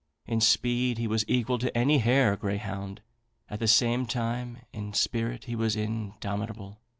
In speed he was equal to any hare greyhound; at the same time, in spirit he was indomitable.